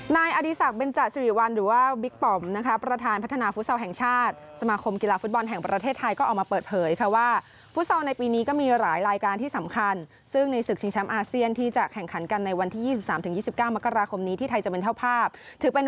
นายอดีศักดิเบนจสิริวัลหรือว่าบิ๊กปอมนะคะประธานพัฒนาฟุตซอลแห่งชาติสมาคมกีฬาฟุตบอลแห่งประเทศไทยก็ออกมาเปิดเผยค่ะว่าฟุตซอลในปีนี้ก็มีหลายรายการที่สำคัญซึ่งในศึกชิงแชมป์อาเซียนที่จะแข่งขันกันในวันที่๒๓๒๙มกราคมนี้ที่ไทยจะเป็นเจ้าภาพถือเป็น